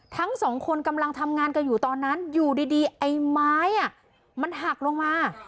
ทั้งสองคนกำลังทำงานกันอยู่ตอนนั้นอยู่ดีไอ้ไม้มันหักลงมา